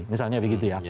misalnya begitu ya